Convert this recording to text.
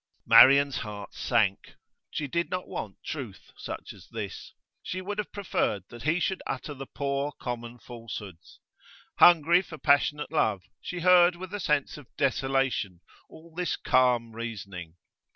Marian's heart sank. She did not want truth such as this; she would have preferred that he should utter the poor, common falsehoods. Hungry for passionate love, she heard with a sense of desolation all this calm reasoning.